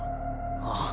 ああ？